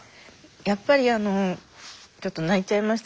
やっぱりあのちょっと泣いちゃいましたけど